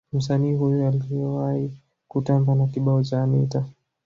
Msanii huyo aliyewahi kutamba na kibao cha Anita